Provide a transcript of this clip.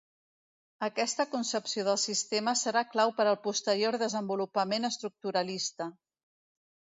Aquesta concepció del sistema serà clau per al posterior desenvolupament estructuralista.